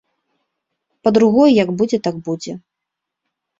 Па-другое, як будзе, так будзе!